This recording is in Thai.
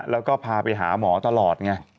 แล้วก็พาไปหาหมอตลอดไง